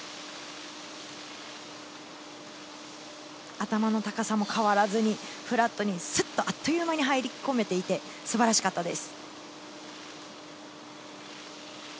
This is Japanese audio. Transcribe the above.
頭の高さも変わらずにフラットに、すっとあっという間に入り込めていて素晴らしかったです。